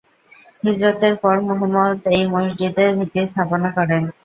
হিজরতের পর মুহাম্মদ এই মসজিদের ভিত্তি স্থাপন করেন।